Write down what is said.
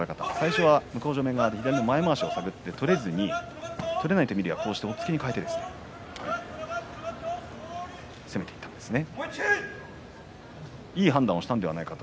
最初は向正面側向こうの前まわしを下げて取れないとみるや押っつけに変えて攻めていったんですね。